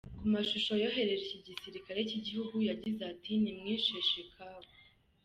Ku mashusho yohereje iki gisirikare cy’igihugu yagize ati "Ntimwishe Shekau.